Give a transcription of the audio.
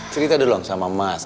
cerita dulu sama mas